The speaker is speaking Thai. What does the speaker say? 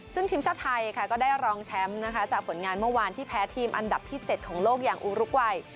ซึ่งทีมชาติไทยค่ะก็ได้รองแชมป์นะคะจากผลงานเมื่อวานที่แพ้ทีมอันดับที่๗ของโลกอย่างอูรุกวัย